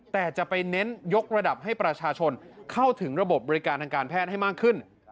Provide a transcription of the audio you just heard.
แต่จะไปเน้นยกระดับให้ประชาชนเข้าถึงระบบบบริการทางการแพทย์ให้มากขึ้น